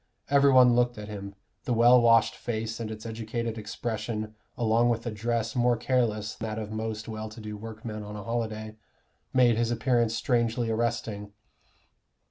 Every one looked at him: the well washed face and its educated expression along with a dress more careless than that of most well to do workmen on a holiday, made his appearance strangely arresting.